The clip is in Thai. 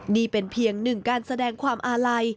นี่เป็นเพียงหนึ่งการแสดงความอาลัย